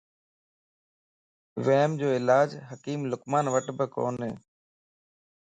وھمَ جو علاج حڪيم لقمانَ وٽ به ڪوني.